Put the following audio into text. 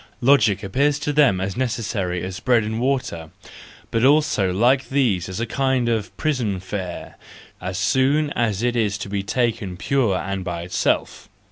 Logic appears to them as necessary as bread and water, but also like these as a kind of prison fare, as soon as it is to be taken pure and by itself.